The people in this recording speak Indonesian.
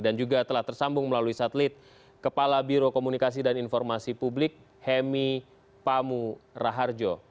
dan juga telah tersambung melalui satelit kepala biro komunikasi dan informasi publik hemi pamu raharjo